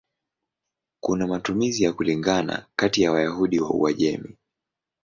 Kuna matumizi ya kulingana kati ya Wayahudi wa Uajemi.